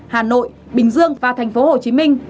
hà nội bình dương và thành phố hồ chí minh